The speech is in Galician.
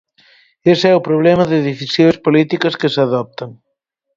Ese é o problema de decisións políticas que se adoptan.